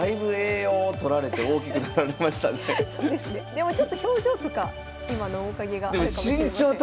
でもちょっと表情とか今の面影があるかもしれません。